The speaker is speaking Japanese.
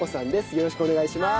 よろしくお願いします。